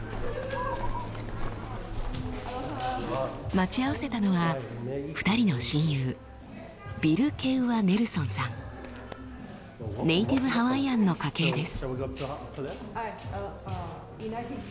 待ち合わせたのは２人の親友ネイティブハワイアンの家系です。